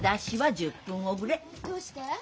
どうして？